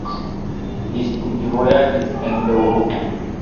Li studvojaĝis en Eŭropo.